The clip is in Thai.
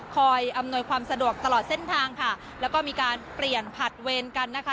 อำนวยความสะดวกตลอดเส้นทางค่ะแล้วก็มีการเปลี่ยนผัดเวรกันนะคะ